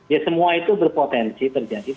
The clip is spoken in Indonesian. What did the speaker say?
ya semua itu berpotensi terjadi